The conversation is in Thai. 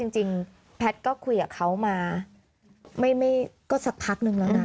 แพทย์ก็คุยกับเขามาไม่ก็สักพักนึงแล้วนะ